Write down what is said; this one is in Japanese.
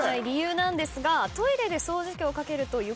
理由なんですがトイレで掃除機をかけると。